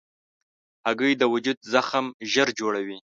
هګۍ د وجود زخم ژر جوړوي.